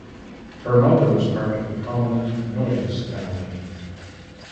Her mother was part of the prominent Noyes family.